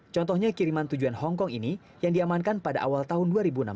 contohnya kiriman tujuan hongkong ini yang diamankan pada awal tahun dua ribu enam belas